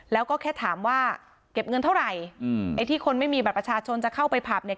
แล้วก็แค่ถามว่าเก็บเงินเท่าไหร่อืมไอ้ที่คนไม่มีบัตรประชาชนจะเข้าไปผับเนี่ย